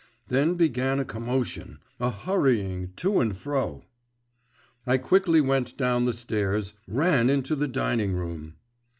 Then began a commotion, a hurrying to and fro.… I quickly went down the stairs, ran into the dining room.